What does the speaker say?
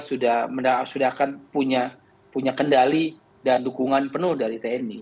sudah akan punya kendali dan dukungan penuh dari tni